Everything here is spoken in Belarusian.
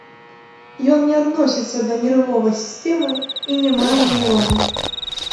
Ён не адносіцца да нервовай сістэмы і не мае нейронаў.